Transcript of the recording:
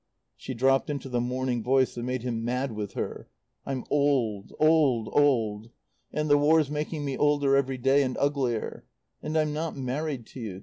She dropped into the mourning voice that made him mad with her. "I'm old old old. And the War's making me older every day, and uglier. And I'm not married to you.